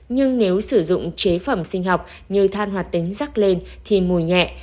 nhưng nếu sử dụng chế phẩm sinh học như than hoạt tính rắc lên thì mùi nhẹ